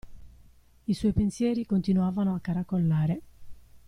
I suoi pensieri continuavano a caracollare.